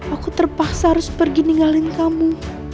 aku terpaksa harus pergi ninggalin kamu